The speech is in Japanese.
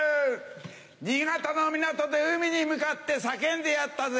新潟の港で海に向かって叫んでやったぜ。